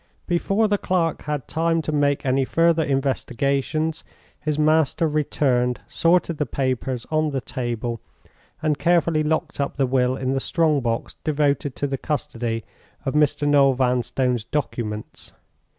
_ "Before the clerk had time to make any further investigations, his master returned, sorted the papers on the table, and carefully locked up the will in the strong box devoted to the custody of Mr. Noel Vanstone's documents.